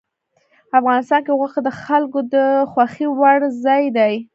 افغانستان کې غوښې د خلکو د خوښې وړ ځای دی.